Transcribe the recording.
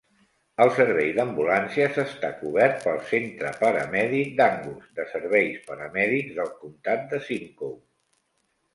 El servei d'ambulàncies està cobert pel centre paramèdic d'Angus de serveis paramèdics del Comtat de Simcoe.